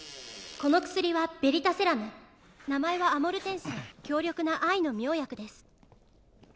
この薬はベリタセラム名前はアモルテンシア強力な愛の妙薬です